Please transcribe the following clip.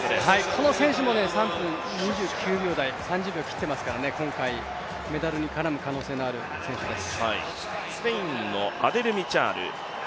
この選手も３分２９秒、３０秒切っていますから、今回メダルに絡む可能性があります。